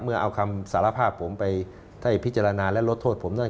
เอาคำสารภาพผมไปให้พิจารณาและลดโทษผมได้